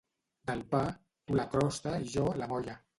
Del pa, tu la crosta i jo la molla.